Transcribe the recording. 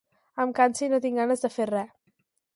Em canse i no tinc ganes de fer res.